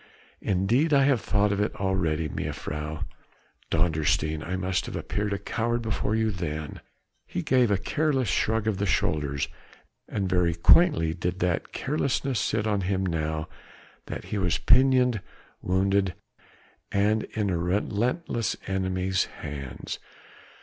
"Indeed I have thought of it already, mejuffrouw. Dondersteen! I must have appeared a coward before you then!" He gave a careless shrug of the shoulders, and very quaintly did that carelessness sit on him now that he was pinioned, wounded and in a relentless enemy's hands.